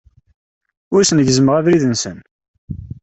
Ur asen-gezzmeɣ abrid-nsen.